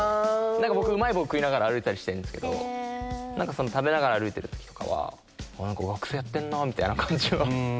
僕うまい棒食いながら歩いたりしてるんですけど食べながら歩いてるときとかは学生やってんなみたいな感じは。